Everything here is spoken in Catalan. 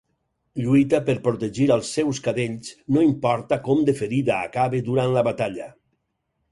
Lluita per protegir als seus cadells, no importa com de ferida acabe durant la batalla.